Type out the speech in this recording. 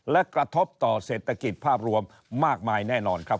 และกระทบต่อเศรษฐกิจภาพรวมมากมายแน่นอนครับ